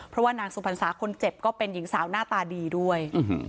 เพราะว่านางสุพรรษาคนเจ็บก็เป็นหญิงสาวหน้าตาดีด้วย